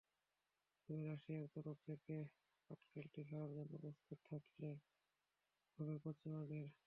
তবে রাশিয়ার তরফ থেকে পাটকেলটি খাওয়ার জন্য প্রস্তুত থাকতে হবে পশ্চিমাদের।